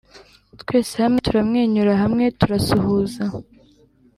twese hamwe turamwenyura, hamwe turasuhuza.